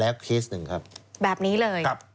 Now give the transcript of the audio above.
แบบนี้เลยครับครับ